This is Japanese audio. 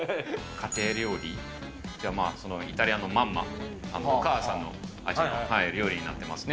家庭料理、イタリアのマンマ、お母さんの味、料理になってますね。